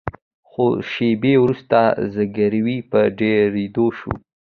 څو شیبې وروسته زګیروي په ډیریدو شو.